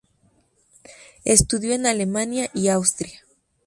Estudió en Alemania y Austria.